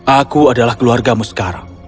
aku adalah keluargamu sekarang